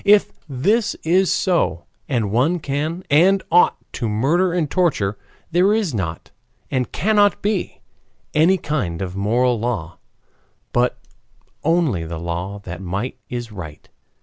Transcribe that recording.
If this is so, and one can and ought to murder and torture, there is not, and cannot be, any kind of moral law, but only the law that might is right.